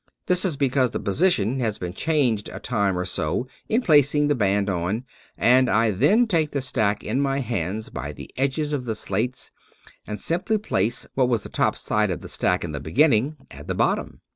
This is because the position has been changed a time or so in placing the band on ; and I then take the stack in my hands by the edges of the slates, and simply place what was the top side of the stack in the beginning, at the bottom.